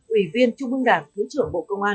ủy viên trung ương đảng thứ trưởng bộ công an